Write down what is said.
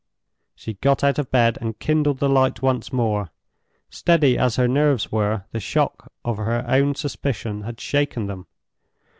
She got out of bed and kindled the light once more. Steady as her nerves were, the shock of her own suspicion had shaken them.